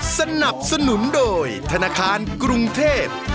สนับสนุนโดยธนาคารกรุงเทพ